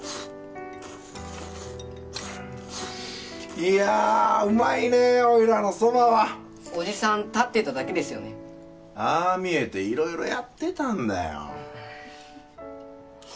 いやうまいねおいらのそばはおじさん立ってただけですよねああ見えて色々やってたんだよ